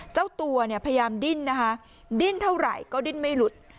เจ้าตัวเนี่ยพยายามดิ้นนะคะดิ้นเท่าไหร่ก็ดิ้นไม่หลุด